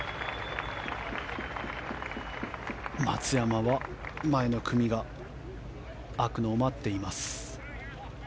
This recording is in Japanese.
松山は前の組が空くのを待っています。